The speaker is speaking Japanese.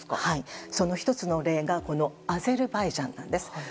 その１つの例がアゼルバイジャンなんです。